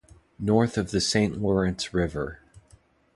North of the Saint Lawrence River.